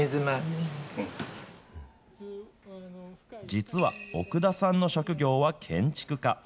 実は、奥田さんの職業は建築家。